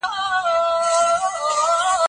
که د جنسي تعصبونو پر ضد کار وسي، نو بدلون راځي.